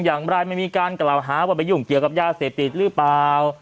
อย่างไรไม่มีการกล่าวหาว่าไปยุ่งเกี่ยวกับยาเสพติดหรือเปล่า